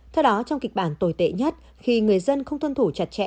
theo đó trong kịch bản tồi tệ nhất khi người dân không tuân thủ chặt chẽ